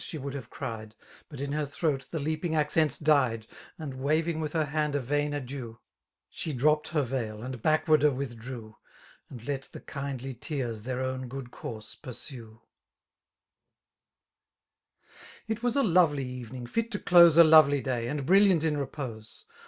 she would haveciied; But in her tiutMit the leaping accents died, And^ waving witii her hand a vain adieu> She dropt her vtal, and haekwarder withdrew. And let the kindly tears their own :good course pursiie, It was a lovely evenings fit to dose A lovely day».and brilliant in repose.